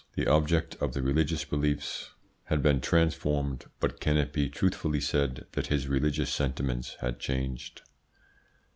The object of his religious beliefs had been transformed, but can it be truthfully said that his religious sentiments had changed?